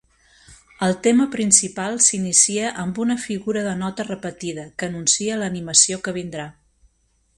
El tema principal s'inicia amb una figura de nota repetida, que anuncia l'animació que vindrà.